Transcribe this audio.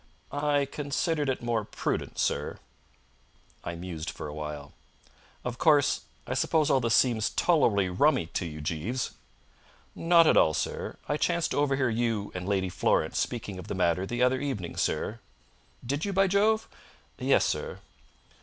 "I considered it more prudent, sir." I mused for a while. "Of course, I suppose all this seems tolerably rummy to you, Jeeves?" "Not at all, sir. I chanced to overhear you and Lady Florence speaking of the matter the other evening, sir." "Did you, by Jove?" "Yes, sir."